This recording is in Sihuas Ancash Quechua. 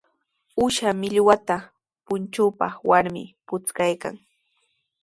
Uusha millwata punchupaq warmi puchkaykan.